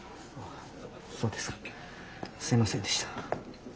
そうですかすいませんでした。